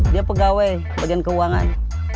dia pegawai bagian keuangan